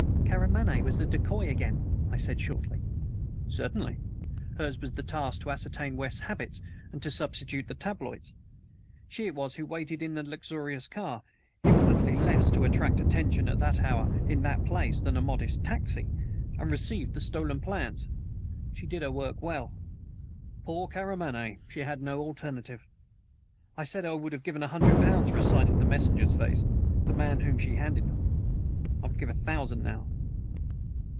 "Karamaneh was the decoy again?" I said shortly. "Certainly. Hers was the task to ascertain West's habits and to substitute the tabloids. She it was who waited in the luxurious car infinitely less likely to attract attention at that hour in that place than a modest taxi and received the stolen plans. She did her work well. "Poor Karamaneh; she had no alternative! I said I would have given a hundred pounds for a sight of the messenger's face the man to whom she handed them. I would give a thousand now!"